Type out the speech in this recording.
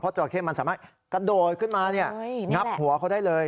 เพราะจอราเคนมันสามารถกระโดยขึ้นมานับหัวเขาได้เลย